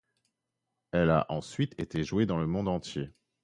Elle a ensuite été jouée dans le monde entier.